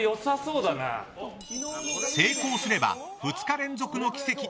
成功すれば２日連続の奇跡。